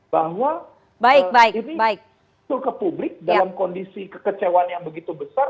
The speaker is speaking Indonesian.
bahwa ini betul ke publik dalam kondisi kekecewaan yang begitu besar